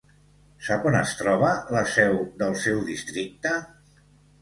Sap on es troba la seu del seu districte?